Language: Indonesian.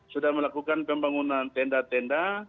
sudah melakukan pembangunan tenda tenda